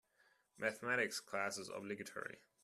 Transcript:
Mathematics class is obligatory.